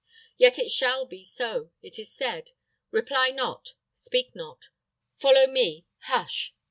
Yet it shall be so. It is said. Reply not! Speak not! Follow me! Hush!